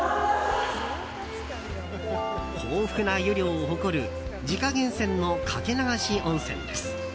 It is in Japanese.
豊富な湯量を誇る自家源泉のかけ流し温泉です。